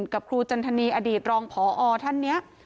กับครูจันทนีอดีตรองพอท่านนี้